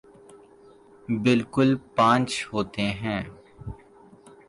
بالکل پانچ ہوتے ہیں